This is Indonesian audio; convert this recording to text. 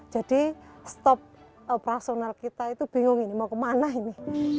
jadi stop personal kita itu bingung ini mau kemana ini